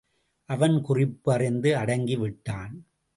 அவன் குறிப்பு அறிந்து அடங்கி விட்டான்.